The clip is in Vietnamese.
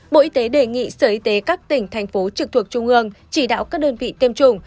bộ y tế đề nghị sở y tế các tỉnh thành phố trực thuộc trung ương chỉ đạo các đơn vị tiêm chủng